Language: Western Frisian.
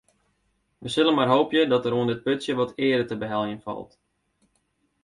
We sille mar hoopje dat der oan dit putsje wat eare te beheljen falt.